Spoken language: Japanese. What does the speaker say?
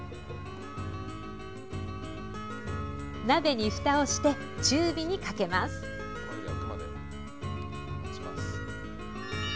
鍋にふたをして中火にかけます。